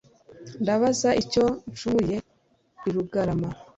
Ndabaza icyo ncumuriye i Rugarama,